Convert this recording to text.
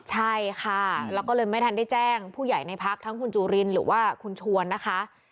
ใช่ค่ะแล้วก็เลยไม่ทันได้แจ้งผู้ใหญ่ในพักทั้งคุณจุรินหรือว่าคุณชวนนะคะ